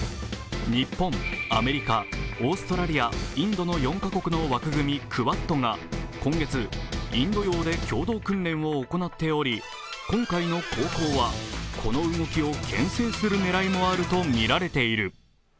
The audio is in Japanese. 日本、アメリカ、オーストラリア、インドの４カ国の枠組み、クワッドが今月、インド洋で共同訓練を行っており今回の航行はこの動きをけん制する狙いもあると見られている。